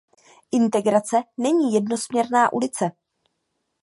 Integrace není jednosměrná ulice.